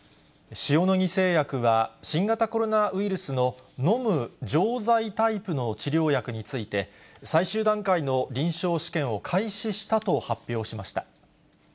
塩野義製薬は、新型コロナウイルスの飲む錠剤タイプの治療薬について、最終段階の臨床試験を開始したと発表しました。